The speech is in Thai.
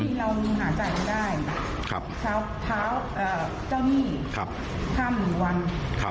ที่เรามีหาจ่ายไม่ได้ครับเจ้านี่ครับท่ามีวันครับ